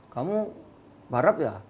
kamu barat ya